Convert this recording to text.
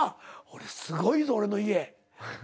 すごいぞ俺の家。